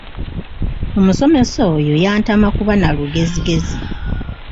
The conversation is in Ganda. Omusomesa oyo yantama kuba na lugezigezi.